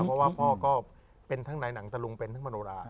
เพราะว่าพ่อก็เป็นทั้งในหนังตะลุงเป็นทั้งมโนรา